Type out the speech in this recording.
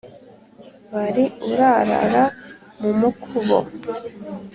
bari urarara mu mukubo